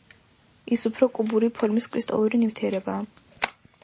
ის უფრო კუბური ფორმის კრისტალური ნივთიერებაა.